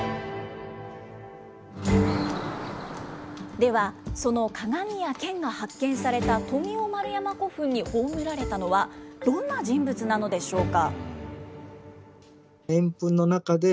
では、その鏡や剣が発見された富雄丸山古墳に葬られたのは、どんな人物なのでしょうか。